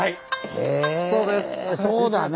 へえそうだね。